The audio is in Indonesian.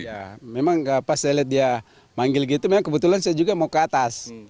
ya memang pas saya lihat dia manggil gitu memang kebetulan saya juga mau ke atas